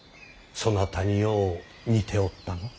そなたによう似ておったが。